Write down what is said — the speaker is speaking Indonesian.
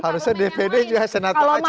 harusnya dprd juga senatanya